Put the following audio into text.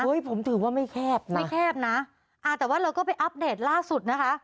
ผมถือว่าไม่แคบนะไม่แคบนะอ่าแต่ว่าเราก็ไปอัปเดตล่าสุดนะคะ